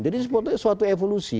jadi sebetulnya suatu evolusi